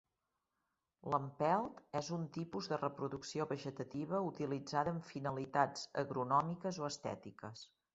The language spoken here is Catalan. L'empelt és un tipus de reproducció vegetativa utilitzada amb finalitats agronòmiques o estètiques.